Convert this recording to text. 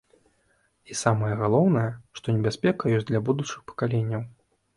І самае галоўнае, што небяспека ёсць для будучых пакаленняў.